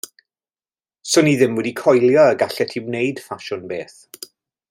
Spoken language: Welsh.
'Swn i ddim wedi coelio y gallet ti wneud ffasiwn beth.